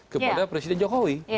kepada presiden jokowi